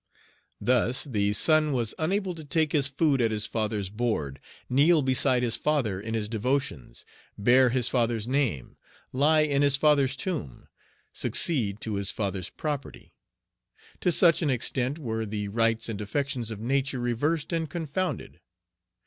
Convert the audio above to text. Thus the son was unable to take his food at his father's board, kneel beside his father in his devotions, bear his father's name, lie in his father's tomb, succeed to his father's property, to such an extent were the rights and affections of nature reversed and confounded.